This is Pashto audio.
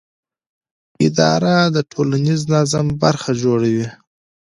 اداره د ټولنیز نظم برخه جوړوي.